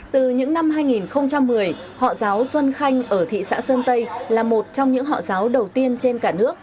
từ những năm hai nghìn một mươi họ giáo xuân khanh ở thị xã sơn tây là một trong những họ giáo đầu tiên trên cả nước